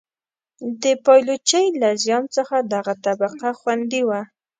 د پایلوچۍ له زیان څخه دغه طبقه خوندي وه.